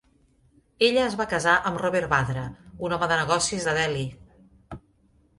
Ella es va casar amb Robert Vadra. un home de negocis de Delhi.